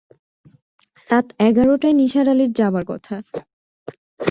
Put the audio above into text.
রাত এগারটায় নিসার আলির যাবার কথা।